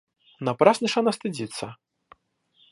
Напрасно ж она стыдится.